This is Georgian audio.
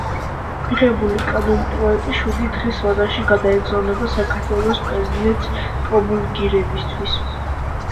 მიღებული კანონპროეტი შვიდი დღის ვადაში გადაეგზავნება საქართველოს პრეზიდენტს პრომულგირებისთვის